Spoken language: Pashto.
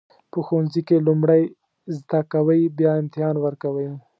په ښوونځي کې لومړی زده کوئ بیا امتحان ورکوئ.